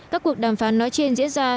các cuộc đàm phán nói trên diễn ra